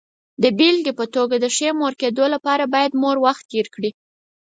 د بېلګې په توګه، د ښې مور کېدو لپاره باید مور وخت تېر کړي.